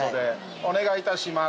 お願いいたします。